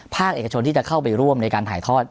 ภาคเอกชนที่จะเข้าไปร่วมในการถ่ายทอด